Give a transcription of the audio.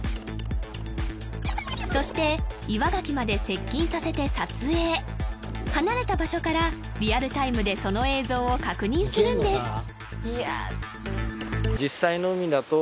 そして岩牡蠣まで接近させて撮影離れた場所からリアルタイムでその映像を確認するんです